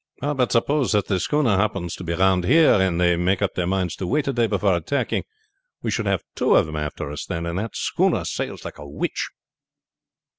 "But suppose that the schooner happens to be round here, and they make up their minds to wait a day before attacking, we should have two of them after us then; and that schooner sails like a witch."